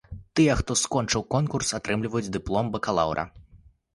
Тыя, хто скончыў курс, атрымліваюць дыплом бакалаўра.